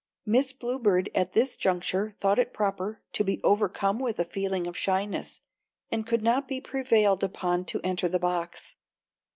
Miss Bluebird at this juncture thought it proper to be overcome with a feeling of shyness, and could not be prevailed upon to enter the box.